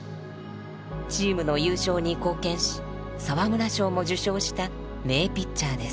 チームの優勝に貢献し沢村賞も受賞した名ピッチャーです。